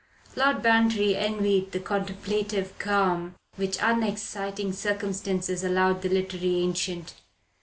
Lord Bantry envied the contemplative calm which unexciting circumstances allowed the literary ancient.